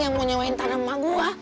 yang mau nyewain tanah emak gue